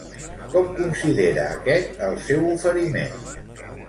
Com considera aquest el seu oferiment?